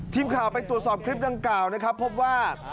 ทีมข่าวไปตรวจสอบคลิปดังกล่าวนะครับพบว่า